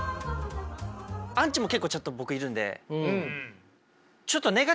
アンチも結構ちょっと僕いるんで。